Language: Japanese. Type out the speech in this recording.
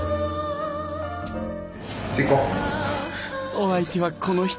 お相手はこの人。